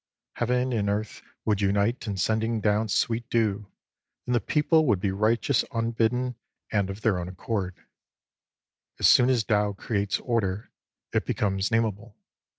Heaven and Earth would unite in sending down sweet dew, and the people would be righteous unbidden and of their own accord. As soon as Tao creates order, it becomes name able.